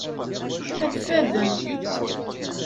Ad ffaden.